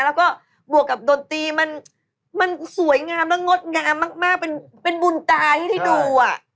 แล้วก็บวกกับดนตรีมันสวยงามและงดงามมากเป็นบุญตาที่ได้ดูอ่ะ